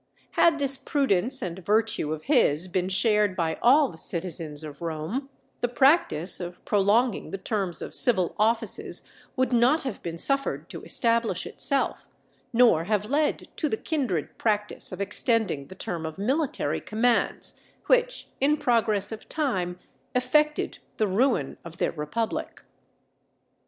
Had this prudence and virtue of his been shared by all the citizens of Rome, the practice of prolonging the terms of civil offices would not have been suffered to establish itself, nor have led to the kindred practice of extending the term of military commands, which in progress of time effected the ruin of their republic.